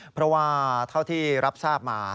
เพราะว่าเท่าที่รับทราบมา